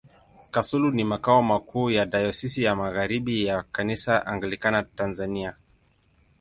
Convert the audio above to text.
Kasulu ni makao makuu ya Dayosisi ya Magharibi ya Kanisa Anglikana Tanzania.